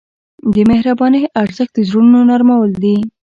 د مهربانۍ ارزښت د زړونو نرمول دي.